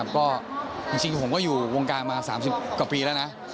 ก็จริงผมก็อยู่วงการมา๓๐กว่าปีแล้วนะ